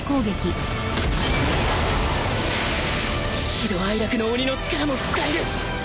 喜怒哀楽の鬼の力も使える